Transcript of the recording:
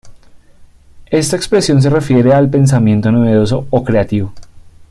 Esta expresión se refiere al pensamiento novedoso o creativo.